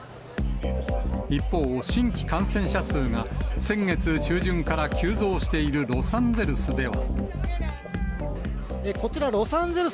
一方、新規感染者数が先月中旬から急増しているロサンゼルスでは。